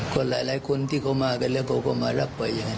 ก็หลายคนที่เขามากันแล้วก็เขามารับไปอย่างนี้